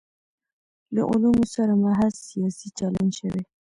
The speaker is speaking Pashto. له علومو سره محض سیاسي چلند شوی.